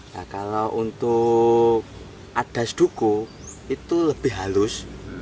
nah kalau untuk adas duku itu lebih halus